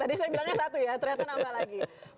ternyata nambah lagi